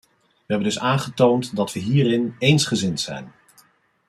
We hebben dus aangetoond dat we hierin eensgezind zijn.